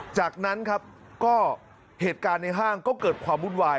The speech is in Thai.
จากนั้นครับก็เหตุการณ์ในห้างก็เกิดความวุ่นวาย